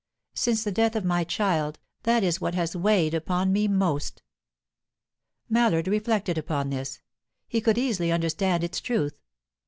Since the death of my child, that is what has weighed upon me most." Mallard reflected upon this. He could easily understand its truth.